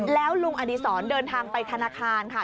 แล้วลุงอดีศรเดินทางไปธนาคารค่ะ